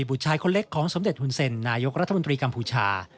บุตรชายคนเล็กของสมเด็จหุ่นเซ็นนายกรัฐมนตรีกัมพูชา